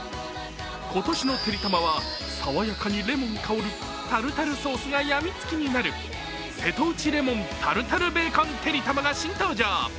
今年のてりたまは爽やかにレモン香るタルタルソースがやみつきになる、瀬戸内レモンタルタルベーコンてりたまが新登場。